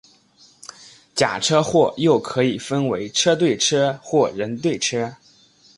假车祸又可以分为车对车或人对车。